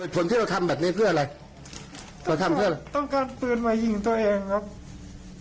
ผลที่เราทำแบบนี้เพื่ออะไรต้องการปืนมายิงตัวเองครับ